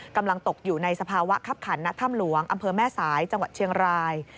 กำลังตกอยู่ในสภาวะคับขันณถ้ำหลวงอำเภอแม่สายจังหวัดเชียงราย